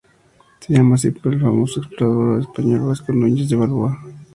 Se llama así por el famoso explorador español Vasco Núñez de Balboa.